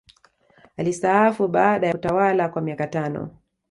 alistaafu baada ya kutawalakwa miaka mitano